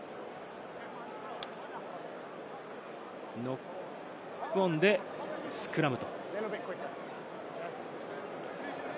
ノックオンでスクラム。